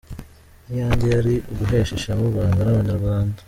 Iyanjye yari uguhesha ishema u Rwanda n’abanyarwanda.